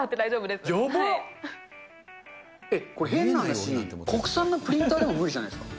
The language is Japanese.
えっ、これ、変な話、国産のプリンターでも無理じゃないですか。